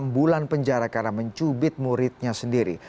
enam bulan penjara karena mencubit muridnya sendiri